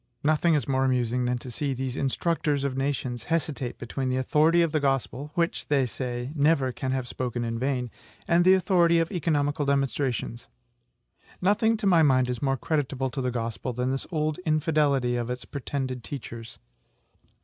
Nothing is more amusing than to see these INSTRUCTORS OF NATIONS hesitate between the authority of the Gospel, which, they say, NEVER CAN HAVE SPOKEN IN VAIN, and the authority of economical demonstrations. Nothing, to my mind, is more creditable to the Gospel than this old infidelity of its pretended teachers.